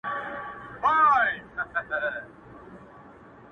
کلونه کيږي چي ولاړه يې روانه نه يې.